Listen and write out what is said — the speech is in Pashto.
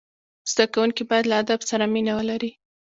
زدهکوونکي باید له ادب سره مینه ولري.